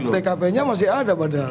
tkp nya masih ada padahal